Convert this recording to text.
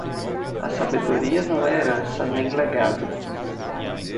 A sabedoria não é herança nem legado.